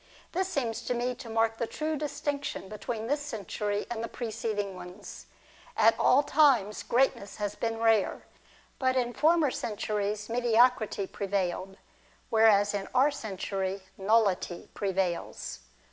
This seems to me to mark the true distinction between this century and the preceding ones. At all times greatness has been rare ; but in former centuries mediocrity prevailed, whereas in our century nullity prevails.